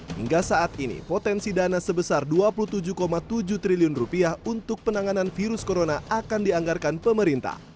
hingga saat ini potensi dana sebesar rp dua puluh tujuh tujuh triliun untuk penanganan virus corona akan dianggarkan pemerintah